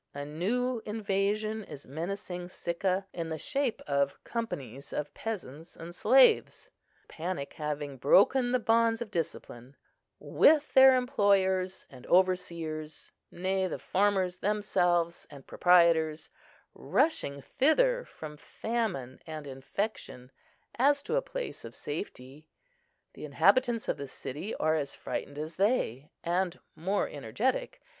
A new invasion is menacing Sicca, in the shape of companies of peasants and slaves, (the panic having broken the bonds of discipline,) with their employers and overseers, nay the farmers themselves and proprietors, rushing thither from famine and infection as to a place of safety. The inhabitants of the city are as frightened as they, and more energetic.